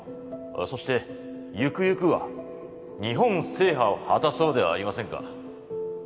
そしてゆくゆくは日本制覇を果たそうではありませんか